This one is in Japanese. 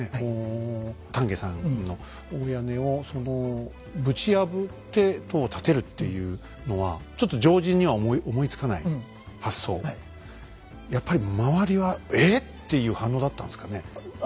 丹下さんの大屋根をぶち破って塔を建てるっていうのはちょっとやっぱり周りは「えぇ⁉」っていう反応だったんですかね。